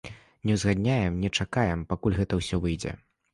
Не ўзгадняем, не чакаем, пакуль гэта ўсё выйдзе.